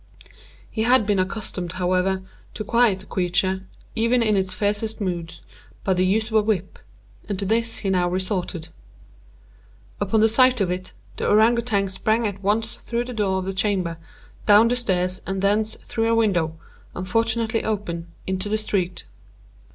He had been accustomed, however, to quiet the creature, even in its fiercest moods, by the use of a whip, and to this he now resorted. Upon sight of it, the Ourang Outang sprang at once through the door of the chamber, down the stairs, and thence, through a window, unfortunately open, into the street.